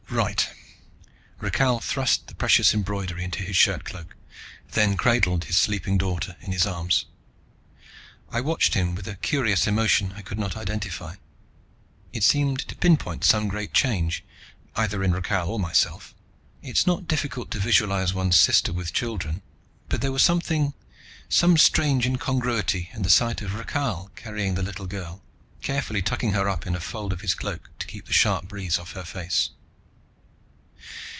"Right." Rakhal thrust the precious embroidery into his shirtcloak, then cradled his sleeping daughter in his arms. I watched him with a curious emotion I could not identify. It seemed to pinpoint some great change, either in Rakhal or myself. It's not difficult to visualize one's sister with children, but there was something, some strange incongruity in the sight of Rakhal carrying the little girl, carefully tucking her up in a fold of his cloak to keep the sharp breeze off her face.